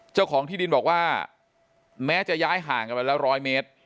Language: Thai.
เจ้าของที่ดินบอกว่าแม้จะย้ายห่างกันไปแล้ว๑๐๐เมตร